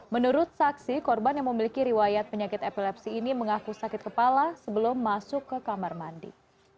menurut saksi korban yang memiliki riwayat penyakit epilepsi ini mengaku sakit kepala sebelum masuk ke kamar mandi